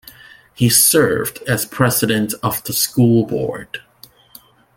He served as president of the school board.